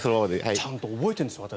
ちゃんと覚えてるんです、私。